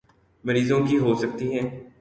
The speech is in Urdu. مریضوں کی ہو سکتی ہیں